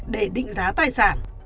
để định giá tài sản